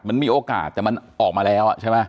มันมีโอกาสแต่มันออกมาแล้วใช่ไหม